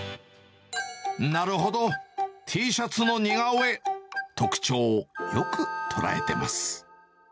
なるほど、Ｔシャツの似顔絵、特徴、よく捉えてます。